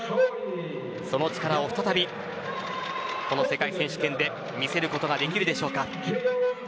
その力を再びこの世界選手権で見せることができるでしょうか。